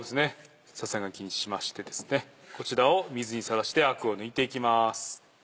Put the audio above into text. ささがきにしましてこちらを水にさらしてアクを抜いていきます。